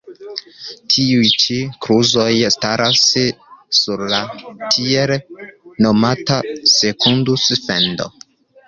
Tiuj ĉi kluzoj staras sur la tiel nomata Sekundus-Fendo.